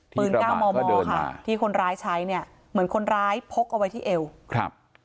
เก้ามอมอค่ะที่คนร้ายใช้เนี่ยเหมือนคนร้ายพกเอาไว้ที่เอวครับ